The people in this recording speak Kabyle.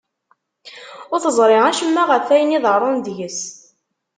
Ur teẓri acemma ɣef wayen iḍerrun deg-s.